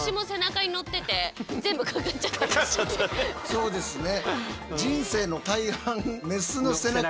そうですね。